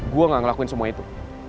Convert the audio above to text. gue gak ngelakuin semua itu